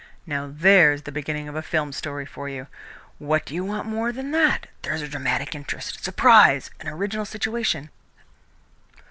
Now there's the beginning of a film story for you! What do you want more than that? There's dramatic interest, surprise, an original situation."